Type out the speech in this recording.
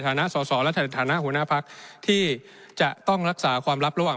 ฐานะศศและฐานะหุณภักดิ์ที่จะต้องรักษาความลับระหว่าง